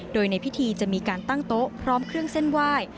โดยในพิธีจะมีการตั้งโต๊ะพร้อมเครื่องเส้นไหว้